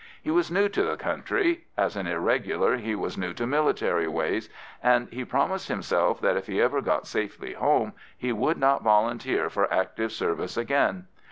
He was new to the country; as an irregular he was new to military ways, and he promised himself that if ever he got safely home he would not volunteer for active service again.